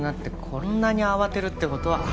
こんなに慌てるってことは